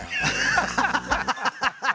ハハハハ！